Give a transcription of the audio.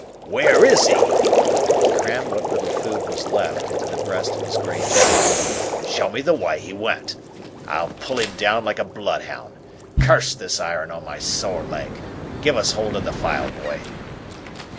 "Where is he?" He crammed what little food was left, into the breast of his grey jacket. "Show me the way he went. I'll pull him down, like a bloodhound. Curse this iron on my sore leg! Give us hold of the file, boy."